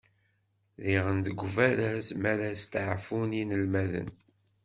Diɣen deg ubaraz, mi ara steɛfun yinelmaden.